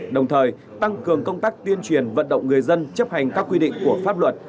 đồng thời tăng cường công tác tuyên truyền vận động người dân chấp hành các quy định của pháp luật